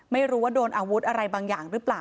ไม่รู้ว่าโดนอาวุธอะไรบางอย่างหรือเปล่า